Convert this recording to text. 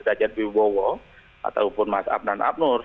dajat bibowo ataupun mas abdan abnur